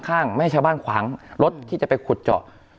ข้างไม่ให้ชาวบ้านขวางรถที่จะไปขุดเจาะ